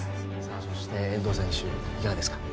そして遠藤選手いかがですか？